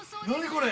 これ！